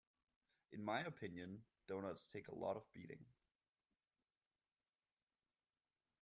In my opinion, doughnuts take a lot of beating.